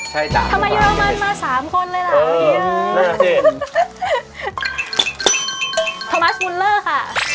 ที่มีบ้านของครีมมิช